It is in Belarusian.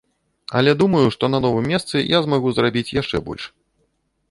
Але думаю, што на новым месцы я змагу зрабіць яшчэ больш.